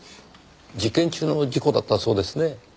実験中の事故だったそうですね。